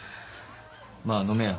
まあ飲めや。